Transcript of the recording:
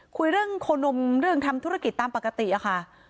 คุยเรื่องโคนมเรื่องทำธุรกิจตามปกติอะค่ะ